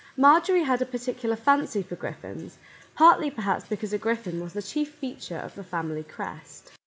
Marjorie had a particular fancy for griffins, — partly, per haps, because a griffin was the chief feature of the family crest.